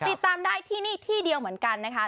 ติดตามได้ที่นี่ที่เดียวเหมือนกันนะคะ